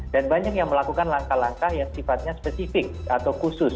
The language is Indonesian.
dan banyak yang melakukan langkah langkah yang sifatnya spesifik atau kualifikasi